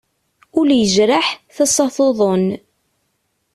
Ul yejreḥ, tasa tuḍen.